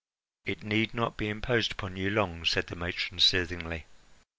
"It need not be imposed upon you long," said the matron soothingly.